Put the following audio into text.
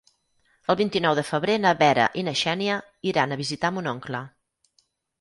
El vint-i-nou de febrer na Vera i na Xènia iran a visitar mon oncle.